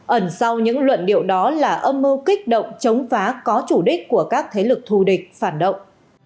ẩn sau những luận điệu đó là âm mưu kích động chống phá có chủ đích của các thế lực thù địch phản động